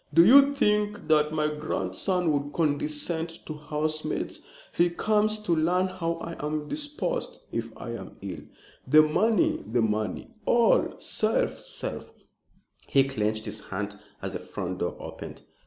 "Do you think that my grandson would condescend to housemaids? He comes to learn how I am disposed if I am ill. The money the money all self self self!" He clenched his hand as the front door opened.